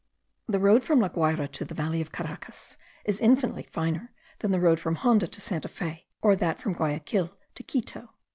The road from La Guayra to the valley of Caracas is infinitely finer than the road from Honda to Santa Fe, or that from Guayaquil to Quito.